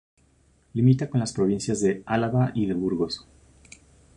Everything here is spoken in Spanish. Limita con las provincias de Álava y de Burgos.